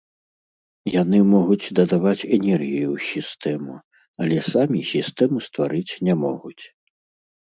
Яны могуць дадаваць энергію ў сістэму, але самі сістэму стварыць не могуць.